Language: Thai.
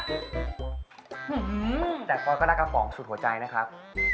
ฮือหือแต่ฟอยก็รักอาป๋องสุดหัวใจนะครับ